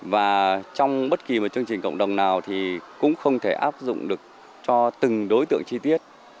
và trong bất kỳ một chương trình cộng đồng nào thì cũng không thể áp dụng được cho từng đối tượng chi tiết